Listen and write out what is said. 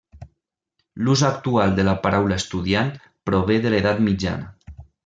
L'ús actual de la paraula estudiant prové de l'edat mitjana.